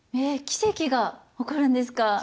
えっ奇跡が起こるんですか？